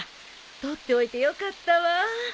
取っておいてよかったわ。